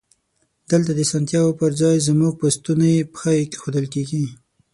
دلته د اسانتیاوو پر ځای زمونږ په ستونی پښه کېښودل کیږی.